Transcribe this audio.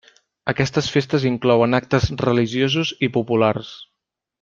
Aquestes festes inclouen actes religiosos i populars.